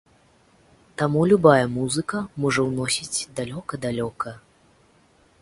Таму любая музыка можа ўносіць далёка-далёка.